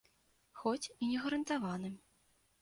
Хоць і не гарантаваным.